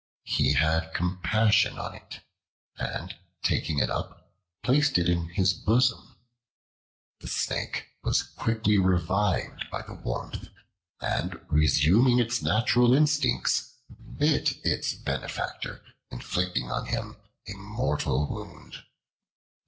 He had compassion on it, and taking it up, placed it in his bosom. The Snake was quickly revived by the warmth, and resuming its natural instincts, bit its benefactor, inflicting on him a mortal wound.